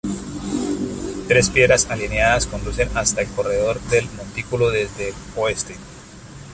Tres piedras alineadas conducen hasta el corredor del montículo desde el oeste.